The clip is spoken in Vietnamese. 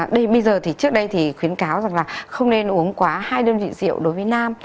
đây bây giờ thì trước đây thì khuyến cáo rằng là không nên uống quá hai đơn vị rượu đối với nam